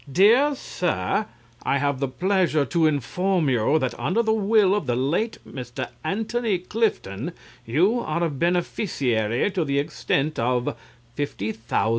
Dear Sir, I have the pleasure to inform you that under the will of the late Mr. Antony Clifton you are a beneficiary to the extent of £50,000." VIOLA.